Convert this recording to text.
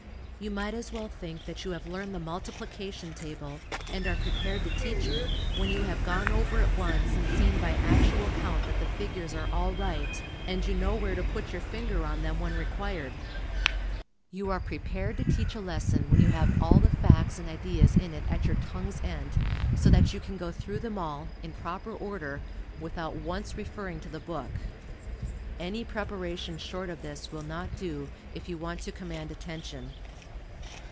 You might as well think that you have learned the Multiplication Table, and are prepared to teach it, when you have gone over it once and seen by actual count that the figures are all right, and you know where to put your finger on them when required. You are prepared to teach a lesson when you have all the facts and ideas in it at your tongue's end, so that you can go through them all, in proper order, without once referring to the book. Any preparation short of this will not do, if you want to command attention.